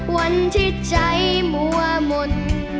วันที่ใจมั่วหมด